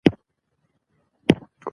د فرض پر بنسټ اقدام منل شوی نه دی.